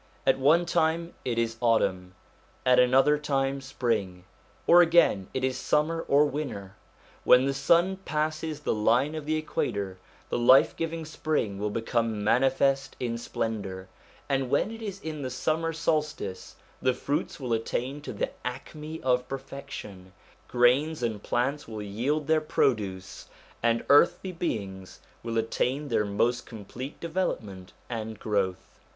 At one time it is autumn, at another time spring ; or again it is summer or winter. When the sun passes the line of the Equator, the life giving spring will become manifest in splendour, and when it is in the summer solstice the fruits will attain to the acme of perfection, grains and plants will yield their produce, and earthly beings will attain their most complete development and growth.